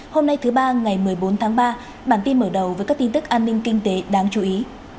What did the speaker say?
hôm nay thứ ba ngày một mươi bốn tháng ba bản tin mở đầu với các tin tức an ninh kinh tế đáng chú ý